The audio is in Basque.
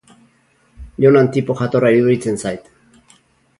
Jonan tipo jatorra iruditzen zait.